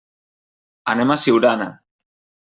Anem a Siurana.